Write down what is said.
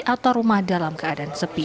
atau rumah dalam keadaan sepi